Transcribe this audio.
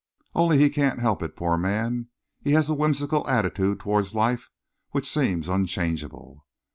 Only he can't help it, poor man. He has a whimsical attitude towards life which seems unchangeable."